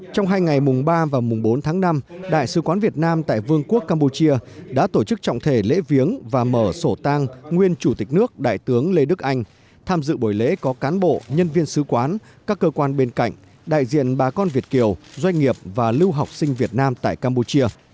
trong hai ngày mùng ba và mùng bốn tháng năm đại sứ quán việt nam tại vương quốc campuchia đã tổ chức trọng thể lễ viếng và mở sổ tang nguyên chủ tịch nước đại tướng lê đức anh tham dự buổi lễ có cán bộ nhân viên sứ quán các cơ quan bên cạnh đại diện bà con việt kiều doanh nghiệp và lưu học sinh việt nam tại campuchia